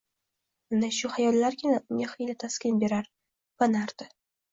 Ana shu xayollargina unga xiyla taskin berar, yupanardi